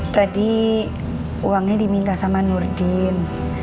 tadi uangnya diminta sama nurdin